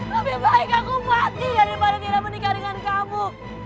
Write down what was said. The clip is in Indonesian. lebih baik aku mati daripada tidak menikah dengan kamu